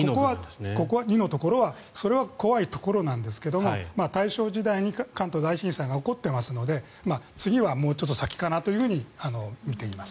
この２のところはそれは怖いところなんですが大正時代に関東大震災が起こってますので次はもうちょっと先かなとみています。